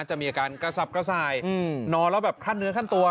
จะมีอาการกระสับกระส่ายนอนแล้วแบบขั้นเนื้อขั้นตัว